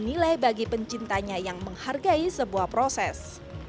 dan menilai bagi pencintanya yang menghargai sebuah proses